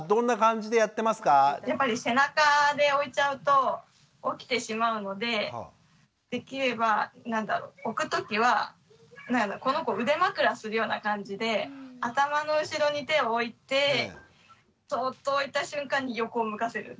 やっぱり背中で置いちゃうと起きてしまうのでできれば何だろう置くときはこの子を腕枕するような感じで頭の後ろに手を置いてそっと置いた瞬間に横を向かせる。